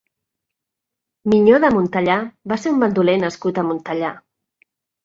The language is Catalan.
Minyó de Montellà va ser un bandoler nascut a Montellà.